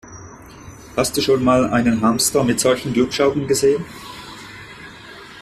Hast du schon mal einen Hamster mit solchen Glupschaugen gesehen?